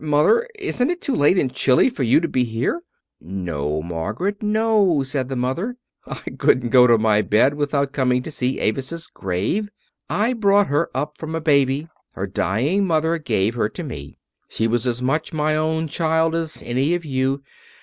Mother! Isn't it too late and chilly for you to be here?" "No, Margaret, no," said the mother. "I couldn't go to my bed without coming to see Avis's grave. I brought her up from a baby her dying mother gave her to me. She was as much my own child as any of you.